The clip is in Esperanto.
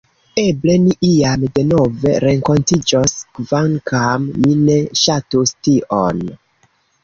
Eble ni iam denove renkontiĝos, kvankam mi ne ŝatus tion.